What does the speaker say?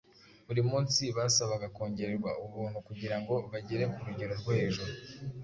Buri munsi basabaga kongererwa ubuntu kugira ngo bagere ku rugero rwo hejuru